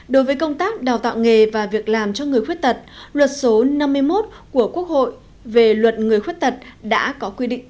đối với công tác đào tạo nghề và việc làm cho người khuyết tật luật số năm mươi một của quốc hội về luật người khuyết tật đã có quy định